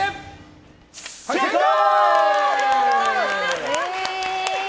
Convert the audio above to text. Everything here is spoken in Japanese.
正解！